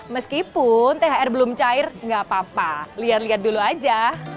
meskipun thr belum cair nggak apa apa lihat lihat dulu aja